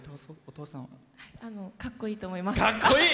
かっこいいと思います。